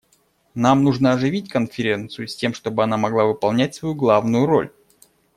Нам нужно оживить Конференцию, с тем чтобы она могла выполнять свою главную роль.